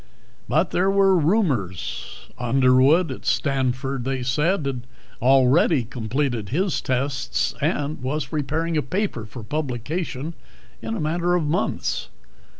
But there were rumors. Underwood at Stanford, they said, had already completed his tests and was preparing a paper for publication in a matter of months.